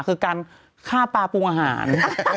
คือการฆ่าปลาปรุงอาหาร